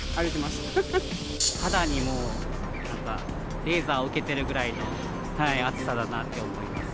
肌にも、なんかレーザー受けてるぐらいの暑さだなって思います。